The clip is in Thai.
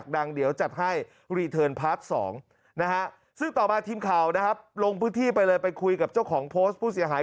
ลงพื้นที่ไปเลยไปคุยกับเจ้าของโพสต์ผู้เสียหาย